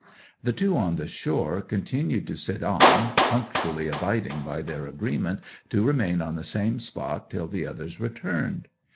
'The two on the shore continued to sit on, punctually abiding by their agreement to remain on the same spot till the others returned.